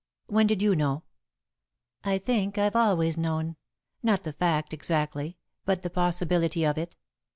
When did you know?" "I think I've always known not the fact, exactly, but the possibility of it.